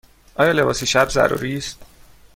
آیا لباس شب ضروری است؟